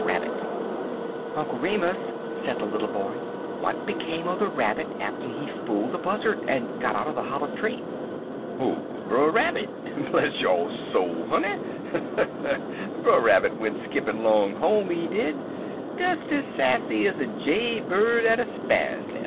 RABBIT "UNCLE REMUS," said the little boy, "what became of the Rabbit after he fooled the Buzzard, and got out of the hollow tree?" "Who? Brer Rabbit? Bless yo' soul, honey, Brer Rabbit went skippin' long home, he did, des ez sassy ez a jay bird at a sparrer's nes'.